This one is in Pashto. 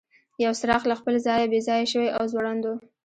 یو څراغ له خپل ځایه بې ځایه شوی او ځوړند و.